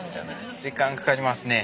時間かかりますね。